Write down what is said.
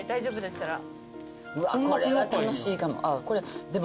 うわっこれは楽しいかも。